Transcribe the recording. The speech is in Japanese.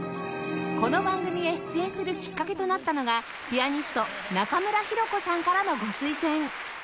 この番組へ出演するきっかけとなったのがピアニスト中村紘子さんからのご推薦